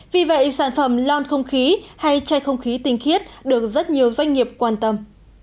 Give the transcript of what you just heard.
vì vậy sản phẩm lon không khí hay chai không khí tinh khiết được rất nhiều doanh nghiệp quan tâm